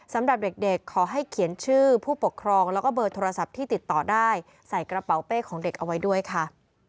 สำหรับเด็กขอให้เขียนชื่อผู้ปกครองแล้วก็เบอร์โทรศัพท์ที่ติดต่อได้ใส่กระเป๋าเป้ของเด็กเอาไว้ด้วยค่ะ